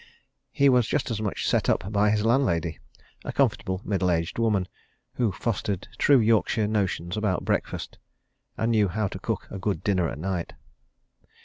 He was just as much set up by his landlady a comfortable, middle aged woman, who fostered true Yorkshire notions about breakfast, and knew how to cook a good dinner at night.